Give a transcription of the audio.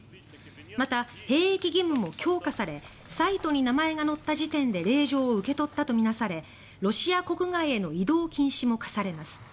また、兵役義務も強化されサイトに名前が載った時点で令状を受け取ったと見なされロシア国外への移動禁止も課されます。